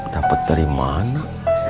dapat dari mana